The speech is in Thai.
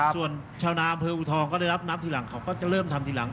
ส่วนชาวนาอำเภออูทองก็ได้รับน้ำทีหลังเขาก็จะเริ่มทำทีหลัง